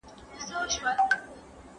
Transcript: ¬ چي پيل ساتې، پيل خانې به جوړوې.